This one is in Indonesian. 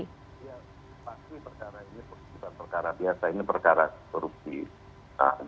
ya pasti perkara ini bukan perkara biasa ini perkara korupsi